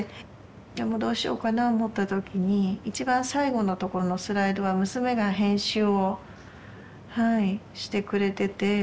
でもどうしようかな思った時に一番最後のところのスライドは娘が編集をはいしてくれてて。